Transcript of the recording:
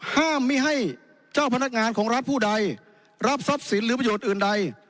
ห้ามไม่ให้เจ้าพนักงานของรัฐผู้ใดรับทรัพย์สินหรือประโยชน์อื่นใด